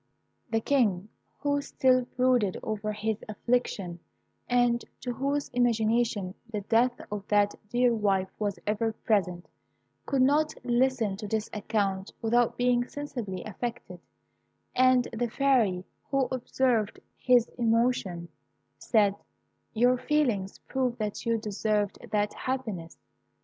The King, who still brooded over his affliction, and to whose imagination the death of that dear wife was ever present, could not listen to this account without being sensibly affected, and the Fairy, who observed his emotion, said, "Your feelings prove that you deserved that happiness.